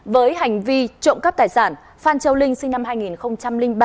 với hành vi trộm cắp tài sản phan châu linh sinh năm hai nghìn ba